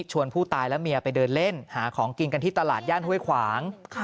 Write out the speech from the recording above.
ผู้ตายและเมียไปเดินเล่นหาของกินกันที่ตลาดย่านห้วยขวาง